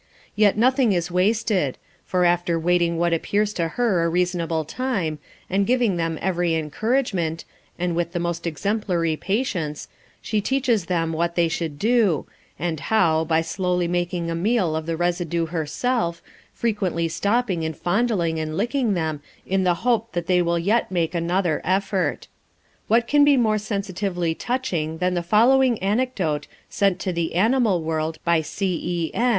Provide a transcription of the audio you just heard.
Yet nothing is wasted, for after waiting what appears to her a reasonable time, and giving them every encouragement, and with the most exemplary patience, she teaches them what they should do, and how, by slowly making a meal of the residue herself, frequently stopping and fondling and licking them in the hope they will yet make another effort. What can be more sensitively touching than the following anecdote, sent to The Animal World by C. E. N.